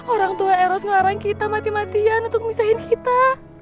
orang tua eros ngelarang kita mati matian untuk memisahin kita